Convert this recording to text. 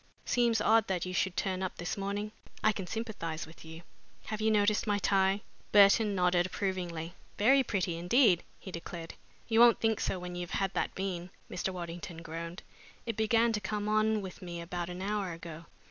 "Seems odd that you should turn up this morning. I can sympathize with you. Have you noticed my tie?" Burton nodded approvingly. "Very pretty indeed," he declared. "You won't think so when you've had that bean," Mr. Waddington groaned. "It began to come on with me about an hour ago.